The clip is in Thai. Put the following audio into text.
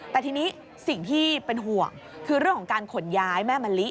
แต่ทีนี้สิ่งที่เป็นห่วงคือเรื่องของการขนย้ายแม่มะลิ